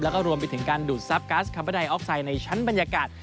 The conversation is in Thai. และก็รวมไปถึงการดูดซับกัสคัมปะไดออกไซด์ในชั้นบรรยากาศ